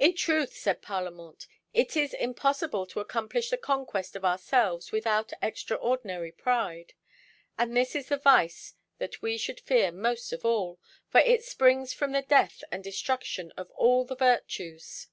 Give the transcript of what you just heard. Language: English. "In truth," said Parlamente, "it is impossible to accomplish the conquest of ourselves without extraordinary pride. And this is the vice that we should fear most of all, for it springs from the death and destruction of all the virtues."